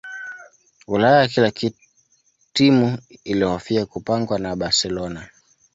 ulaya kila timu ilihofia kupangwa na barcelona